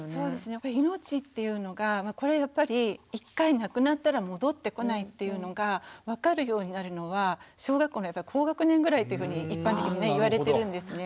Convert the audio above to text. やっぱり命っていうのがこれはやっぱり一回なくなったら戻ってこないっていうのが分かるようになるのは小学校のやっぱり高学年ぐらいというふうに一般的に言われてるんですね。